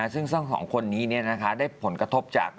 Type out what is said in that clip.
ซึ่งสองคนนี้เนี่ยนะคะได้ผลกระทบจาก